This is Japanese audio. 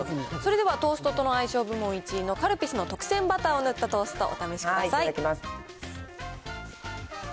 それでは、トーストとの相性部門１位のカルピスの特撰バターを塗ったトースいただきます。